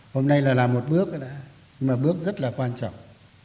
hôm nay là một bước mà bước rất là quan trọng